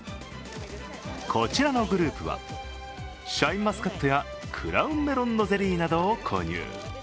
こちらのグループはシャインマスカットやクラウンメロンのゼリーを購入。